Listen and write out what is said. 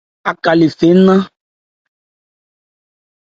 Aká le phɛ́ ńnán.